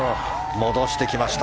戻してきました。